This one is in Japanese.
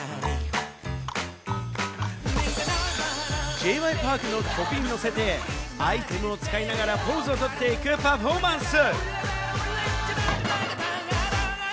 Ｊ．Ｙ．Ｐａｒｋの曲にのせてアイテムを使いながらポーズを取っていくパフォーマンス。